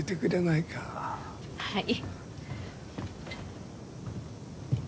はい。